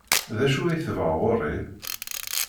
D acu ay tebɣa ɣer-i?